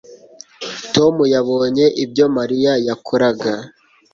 Tom yabonye ibyo Mariya yakoraga